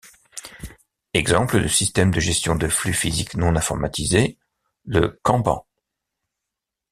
Exemple de système de gestion de flux physique non informatisé: le Kanban.